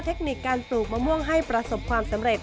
เทคนิคการปลูกมะม่วงให้ประสบความสำเร็จ